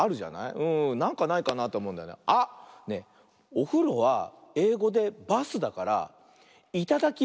おふろはえいごで「バス」だから「いただきバス」ってどう？